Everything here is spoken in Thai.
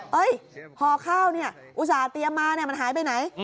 ห่อข้าวเนี่ยอุตส่าห์เตรียมมามันหายไปไหน